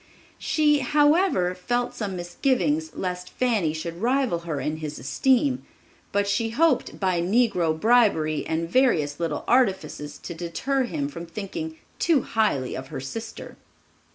She, however, felt some misgivings lest Fanny should rival her in his esteem; but she hoped by negro bribery and various little artifices to deter him from thinking too highly of her sister.